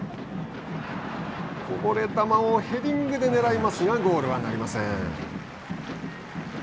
こぼれ球をヘディングでねらいますがゴールはなりません。